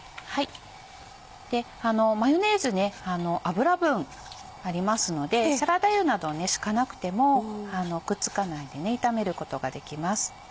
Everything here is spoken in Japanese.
マヨネーズ油分ありますのでサラダ油など引かなくてもくっつかないで炒めることができます。